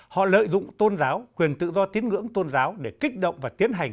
họ lợi dụng tôn giáo quyền tự do tín ngưỡng tôn giáo để kích động và tiến hành